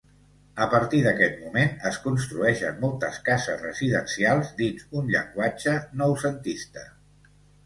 A partir d'aquest moment es construeixen moltes cases residencials dins un llenguatge noucentista.